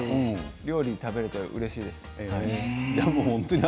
料理を食べてうれしいです。